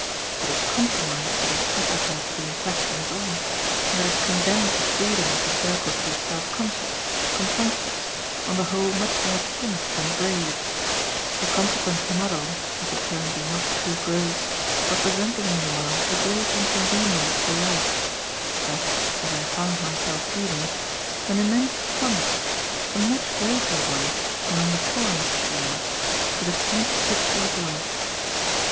It is compromise that has suffered her to be in question at all, and that has condemned the freedom of the circle to be self conscious, compunctious, on the whole much more timid than brave the consequent muddle, if the term be not too gross, representing meanwhile a great inconvenience for life, but, as I found myself feeling, an immense promise, a much greater one than on the "foreign" showing, for the painted picture of life.